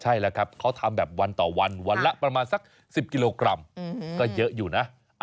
ใช่แล้วครับเขาทำแบบวันต่อวันวันละประมาณสัก๑๐กิโลกรัมก็เยอะอยู่นะ